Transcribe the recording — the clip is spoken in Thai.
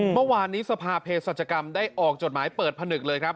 เมื่อวานนี้สภาเพศสัจกรรมได้ออกจดหมายเปิดผนึกเลยครับ